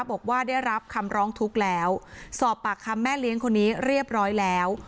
บอกว่าได้รับคำร้องทุกข์แล้วสอบปากคำแม่เลี้ยงคนนี้เรียบร้อยแล้ว